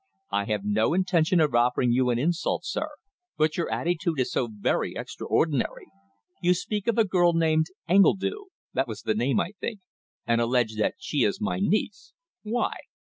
"I have no intention of offering you an insult, sir, but your attitude is so very extraordinary! You speak of a girl named Engledue that was the name, I think and allege that she is my niece. Why?"